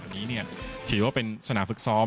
อันนี้ถือว่าเป็นสนามฝึกซ้อม